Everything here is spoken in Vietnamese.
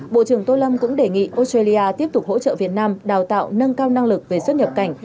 bộ trưởng tô lâm cũng đề nghị australia tiếp tục hỗ trợ việt nam đào tạo nâng cao năng lực về xuất nhập cảnh